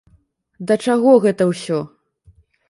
Да чаго гэта ўсё?